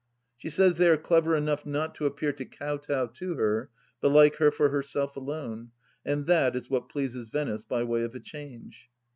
She says they are clever enough not to appear to kow tow to her, but like her for herself alone, and that is what pleases Venice, by way of a change.